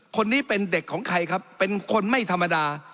คนนี้เป็นเด็กของใครครับเป็นคนไม่ธรรมดา